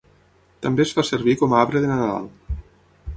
També es fa servir com arbre de Nadal.